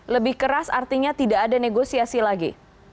lebih keras artinya tidak ada negosiasi lagi